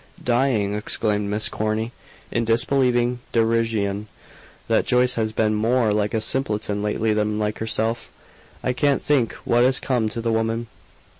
"Dying!" exclaimed Miss Corny, in disbelieving derision. "That Joyce has been more like a simpleton lately than like herself. I can't think what has come to the woman."